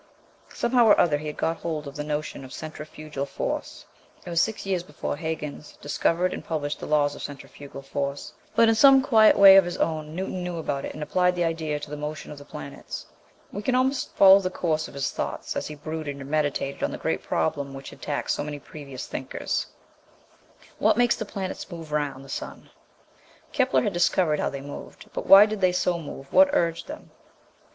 Somehow or other he had got hold of the notion of centrifugal force. It was six years before Huyghens discovered and published the laws of centrifugal force, but in some quiet way of his own Newton knew about it and applied the idea to the motion of the planets. We can almost follow the course of his thoughts as he brooded and meditated on the great problem which had taxed so many previous thinkers, What makes the planets move round the sun? Kepler had discovered how they moved, but why did they so move, what urged them?